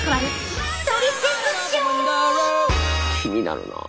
気になるなあ。